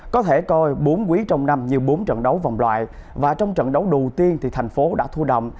có thể coi bốn quý trong năm như bốn trận đấu vòng loại và trong trận đấu đầu tiên thì thành phố đã thu động